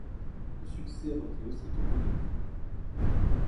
Le succès repris aussitôt que donné